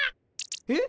えっ。